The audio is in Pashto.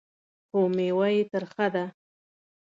خو مېوه یې ترخه ده .